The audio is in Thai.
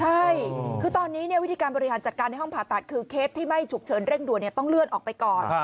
ใช่คือตอนนี้วิธีการบริหารจัดการในห้องผ่าตัดคือเคสที่ไม่ฉุกเฉินเร่งด่วนต้องเลื่อนออกไปก่อน